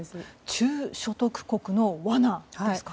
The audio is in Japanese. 中所得国の罠ですか。